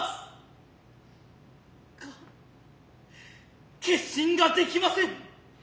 が決心が出来ません。